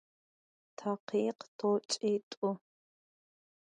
Takhikh t'oç'it'u.